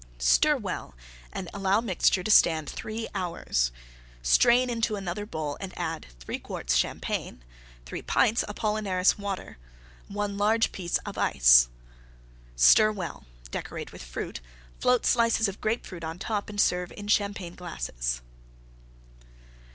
Stir well and allow mixture to stand three hours. Strain into another bowl and add: 3 quarts Champagne. 3 pints Apollinaris Water. 1 large piece of Ice. Stir well; decorate with Fruit; float slices of Grape Fruit on top and serve in Champagne glasses.